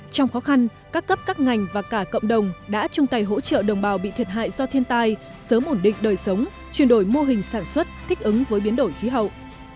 trong khó khăn các cấp các ngành và cả cộng đồng đã chung tay hỗ trợ đồng bào bị thiệt hại do thiên tai sớm ổn định đời sống chuyển đổi mô hình sản xuất thích ứng với biến đổi khí hậu